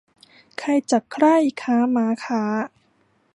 ใครจักใคร่ค้าม้าค้า